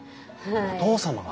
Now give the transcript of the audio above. お父様が？